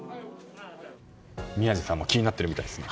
宮司さんも気になってるみたいですね。